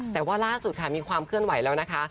แต่ว่าล่าสุดค่ะมีความเคลื่อนไหวแล้วนะคะ